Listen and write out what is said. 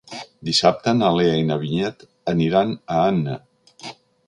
Dissabte na Lea i na Vinyet aniran a Anna.